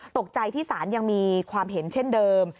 ตกใจที่ศาลยังมีความเห็นเช่นเดิม